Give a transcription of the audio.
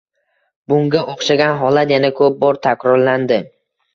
Bunga oʻxshagan holat yana koʻp bor takrorlandi